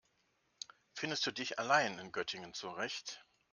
Findest du dich allein in Göttingen zurecht?